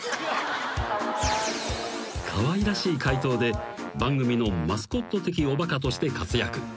［かわいらしい解答で番組のマスコット的おバカとして活躍］